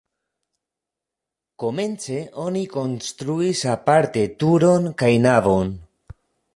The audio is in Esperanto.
Komence oni konstruis aparte turon kaj navon.